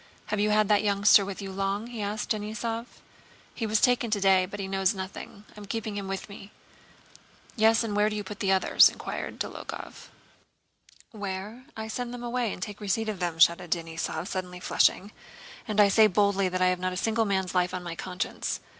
"Have you had that youngster with you long?" he asked Denísov. "He was taken today but he knows nothing. I'm keeping him with me." "Yes, and where do you put the others?" inquired Dólokhov. "Where? I send them away and take a weceipt for them," shouted Denísov, suddenly flushing. "And I say boldly that I have not a single man's life on my conscience.